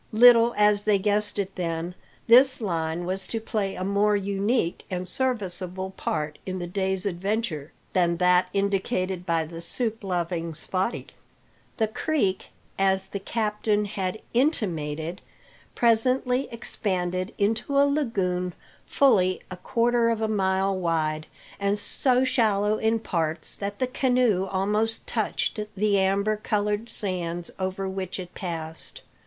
Little as they guessed it then, this line was to play a more unique and serviceable part in the day's adventures than that indicated by the soup loving Spottie. The creek, as the captain had intimated, presently expanded into a lagoon fully a quarter of a mile wide, and so shallow in parts that the canoe almost touched the amber coloured sands over which it passed.